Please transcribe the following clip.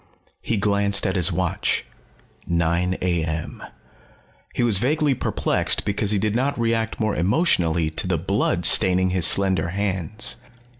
He glanced at his watch. Nine a.m. He was vaguely perplexed because he did not react more emotionally to the blood staining his slender hands.